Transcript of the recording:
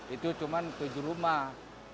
itu cuman tujuh rumah